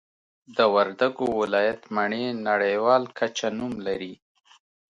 د وردګو ولایت مڼې نړیوال کچه نوم لري